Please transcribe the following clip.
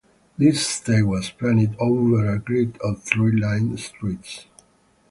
This estate was planned over a grid of tree-lined streets.